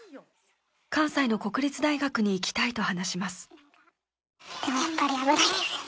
関西の国立大学に行きたいと話します。